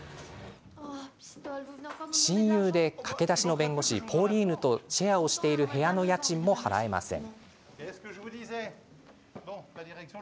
親友で、駆け出しの弁護士ポーリーヌとシェアをしている部屋の家賃も払えません。